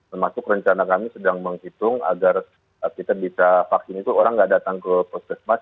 termasuk rencana kami sedang menghitung agar kita bisa vaksin itu orang tidak datang ke puskesmas